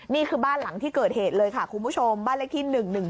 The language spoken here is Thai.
นี่คือบ้านหลังที่เกิดเหตุเลยค่ะคุณผู้ชมบ้านเลขที่๑๑๒